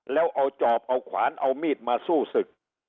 แล้วเอาจอบเอาขวานเอามีดมาสู้ศึก